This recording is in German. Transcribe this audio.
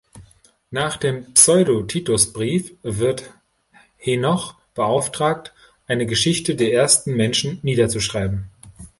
Nach dem Pseudo-Titus-Brief wird Henoch beauftragt, eine Geschichte der ersten Menschen niederzuschreiben.